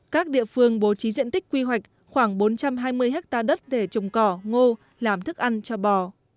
các địa phương bố trí diện tích quy hoạch khoảng bốn trăm hai mươi hectare đất để trồng cỏ ngô làm thức ăn cho bò